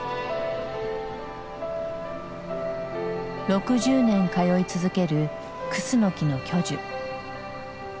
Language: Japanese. ６０年通い続けるクスノキの巨樹。